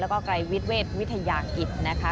แล้วก็ไกรวิทเวชวิทยากิจนะคะ